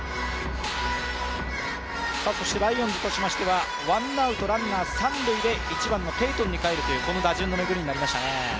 ライオンズとしましては、ワンアウトランナー三塁で１番のペイトンに代えるという打順になりましたね。